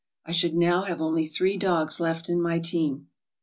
I should now have only three dogs left in my team.